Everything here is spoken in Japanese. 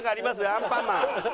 アンパンマン。